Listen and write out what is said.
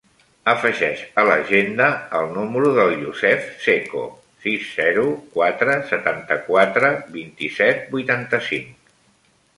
Afegeix a l'agenda el número del Yousef Seco: sis, zero, quatre, setanta-quatre, vint-i-set, vuitanta-cinc.